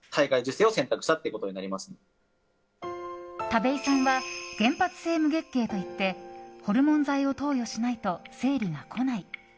田部井さんは原発性無月経といってホルモン剤を投与しないと生理が来ない。